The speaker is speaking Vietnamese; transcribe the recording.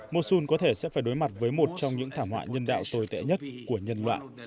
mosun có thể sẽ phải đối mặt với một trong những thảm họa nhân đạo tồi tệ nhất của nhân loại